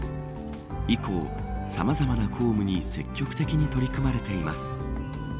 以降、さまざまな公務に積極的に取り組まれています。